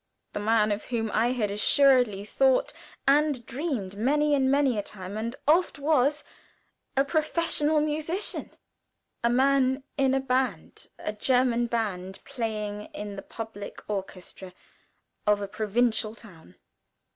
the man of whom I had assuredly thought and dreamed many and many a time and oft was a professional musician, a man in a band, a German band, playing in the public orchestra of a provincial town.